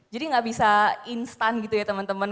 jadi gak bisa instant gitu ya temen temen